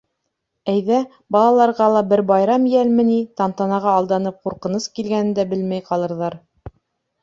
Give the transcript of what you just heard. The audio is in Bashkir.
Әйҙә, балаларға ла бер байрам йәлме ни, тантанаға алданып ҡурҡыныс килгәнен дә белмәй ҡалырҙар.